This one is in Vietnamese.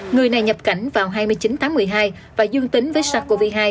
người này nhập cảnh vào hai mươi chín tháng một mươi hai và dương tính với sars cov hai